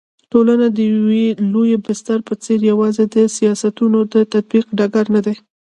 ټولنه د يوه لوی بستر په څېر يوازي د سياستونو د تطبيق ډګر ندی